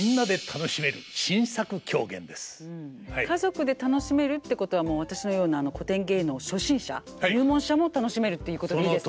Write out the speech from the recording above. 家族で楽しめるってことは私のような古典芸能初心者入門者も楽しめるっていうことでいいですか？